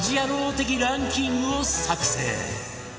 的ランキングを作成